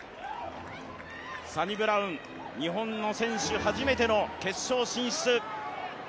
サニブラウン、日本の選手初めての決勝進出。